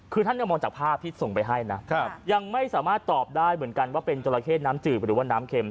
คือท่านยังมองจากภาพที่ส่งไปให้นะยังไม่สามารถตอบได้เหมือนกันว่าเป็นจราเข้น้ำจืดหรือว่าน้ำเค็ม